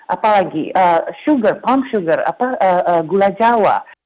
apalagi sugar pam sugar gula jawa